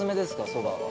そばは。